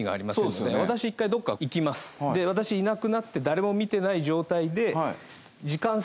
で私いなくなって誰も見てない状態で。